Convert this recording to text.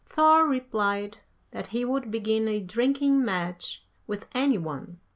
Thor replied, that he would begin a drinking match with any one.